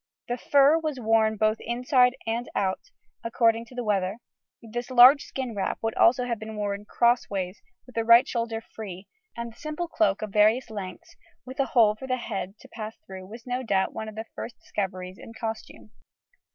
The fur was worn both inside and out, according to the weather; this large skin wrap would also be worn cross ways with the right shoulder free, and the simple cloak of various lengths with a hole for the head to pass through was no doubt one of the first discoveries in costume.